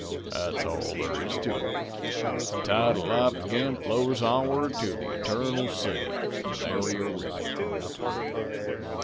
That's all thar is to it. The tide of life ag'in flows onward to the eternal sea, an' nary ripple.